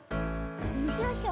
よいしょ。